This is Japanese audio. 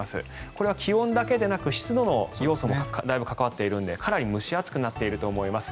これは気温だけでなく湿度の要素もだいぶ関わっているのでかなり蒸し暑くなっていると思います。